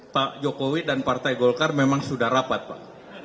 pak jokowi dan partai golkar memang sudah rapat pak